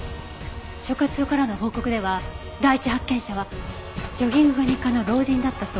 所轄署からの報告では第一発見者はジョギングが日課の老人だったそうよ。